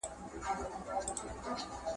سردار اکبرخان د افغانانو د ستراتېژیک پلان مشر و.